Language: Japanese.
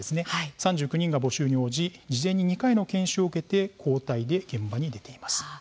３９人が募集に応じ事前に２回の研修を受けて交代で現場に出ています。